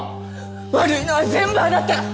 悪いのは全部あなた！